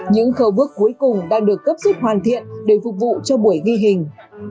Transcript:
những khâu bước cuối cùng đang được cấp xuất hoàn thiện để phục vụ cho buổi ghi hình